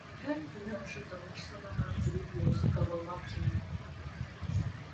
Юғиһә, һине ошо тормош санаһынан тибеп төшөрөүсе табылмаҫ тимә.